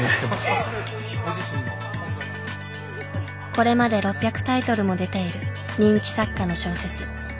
これまで６００タイトルも出ている人気作家の小説。